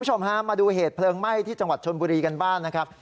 คุณผู้ชมฮะมาดูเหตุเพลิงไหม้ที่จังหวัดชนบุรีกันบ้างนะครับ